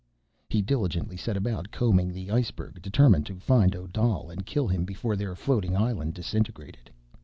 He diligently set about combing the iceberg, determined to find Odal and kill him before their floating island disintegrated.